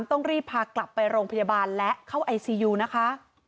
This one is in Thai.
ต้องรีบพากลับไปโรงพยาบาลและเข้าไอซียูนะคะ